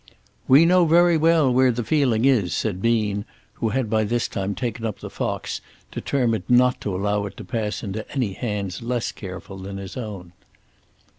"We know very well where the feeling is," said Bean who had by this time taken up the fox, determined not to allow it to pass into any hands less careful than his own.